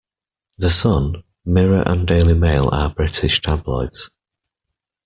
The Sun, Mirror and Daily Mail are British tabloids.